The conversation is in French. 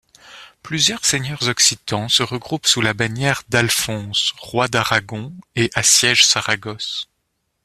Plusieurs seigneurs occitans se regroupent sous la bannière d’Alphonse, roi d’Aragon et assiègent Saragosse.